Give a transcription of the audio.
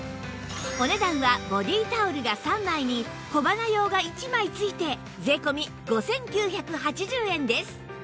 お値段はボディータオルが３枚に小鼻用が１枚付いて税込５９８０円です